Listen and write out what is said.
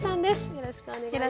よろしくお願いします。